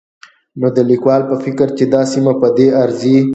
نو د ليکوال په فکر چې دا سيمه په دې ارځي